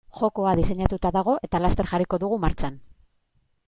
Jokoa diseinatuta dago eta laster jarriko dugu martxan.